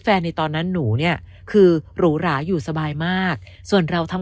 ในตอนนั้นหนูเนี่ยคือหรูหราอยู่สบายมากส่วนเราทำ